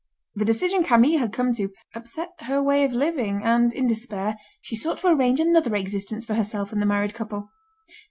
The decision Camille had come to, upset her way of living, and, in despair, she sought to arrange another existence for herself and the married couple.